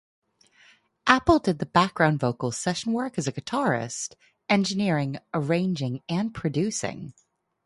Appell did background vocals, session work as a guitarist, engineering, arranging and producing.